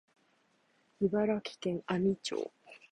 茨城県阿見町